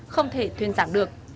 không thể thuyên giảng được